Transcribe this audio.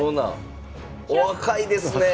お若いですね！